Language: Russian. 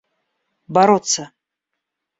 бороться